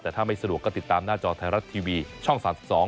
แต่ถ้าไม่สะดวกก็ติดตามหน้าจอไทยรัฐทีวีช่อง๓๒